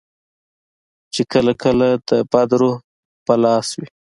چې کله کله د بد روح پر لاس وي.